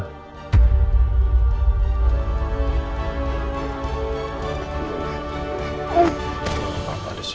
hanya padamu saya berlindung dari rasa sedih serta duka cita